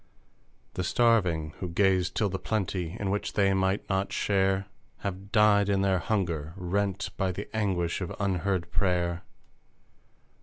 The starving, who gazed till the plenty In which they might not share Have died in their hunger, rent by The anguish of unheard prayer